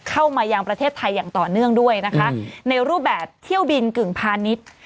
เข้ามายังประเทศไทยอย่างต่อเนื่องด้วยนะคะในรูปแบบเที่ยวบินกึ่งพาณิชย์